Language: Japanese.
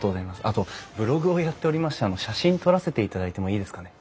あとブログをやっておりまして写真撮らせていただいてもいいですかね？